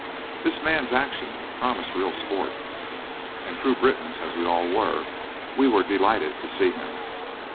This man's action promised real sport, and true Britons as we all were we were delighted to see him.